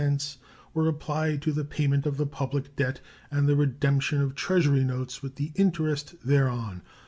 37 were applied to the payment of the public debt and the redemption of Treasury notes and the interest thereon.